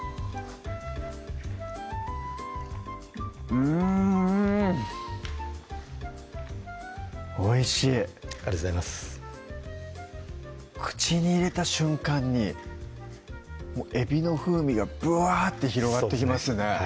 うんおいしいありがとうございます口に入れた瞬間にえびの風味がブワーッて広がってきますね